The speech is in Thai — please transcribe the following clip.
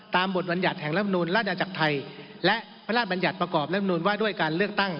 ตามบทบรรยาทแหลศบนูลรัฐอาจักรไทยและพระราชบรรยาทประกอบรัฐบนูลว่าด้วยการเลือกตั้ง